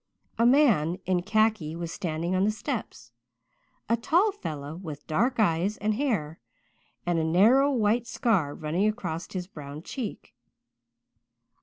A man in khaki was standing on the steps a tall fellow, with dark eyes and hair, and a narrow white scar running across his brown cheek.